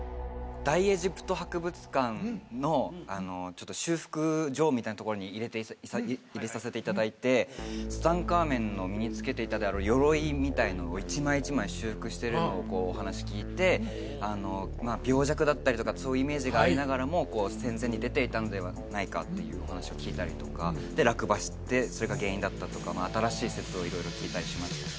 大エジプト博物館のちょっと修復所みたいなところに入れさせていただいてツタンカーメンの身に着けていたであろう鎧みたいなのを一枚一枚修復してるのをお話聞いて病弱だったりとかそういうイメージがありながらも戦前に出ていたのではないかっていうお話を聞いたりとかで落馬してそれが原因だったとか新しい説を色々聞いたりしましたね